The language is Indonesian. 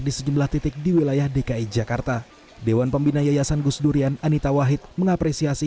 di sejumlah titik di wilayah dki jakarta dewan pembina yayasan gus durian anita wahid mengapresiasi